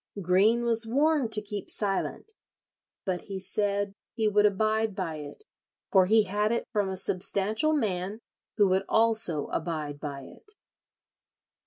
Greene was warned to keep silent, but he said "he would abide by it, for he had it from a substantial man who would also abide by it."